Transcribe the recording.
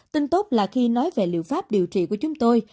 tin tốt là khi nói về liệu pháp điều trị của chúng tôi